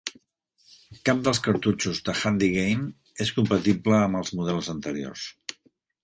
Cap dels cartutxos de HandyGame és compatible amb els models anteriors.